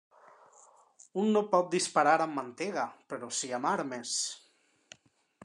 Un no pot disparar amb mantega, però sí amb armes.